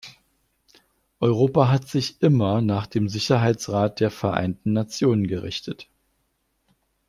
Europa hat sich immer nach dem Sicherheitsrat der Vereinten Nationen gerichtet.